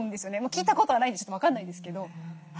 聞いたことはないんでちょっと分かんないんですけど。